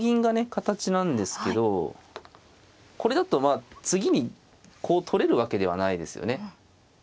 形なんですけどこれだとまあ次にこう取れるわけではないですよね。